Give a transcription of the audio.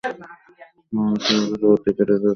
এছাড়া কিছু পত্রিকা দুটি এলাকার মধ্যে পার্থক্য করে।